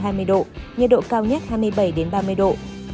nhiệt độ cao nhất hai mươi bảy ba mươi độ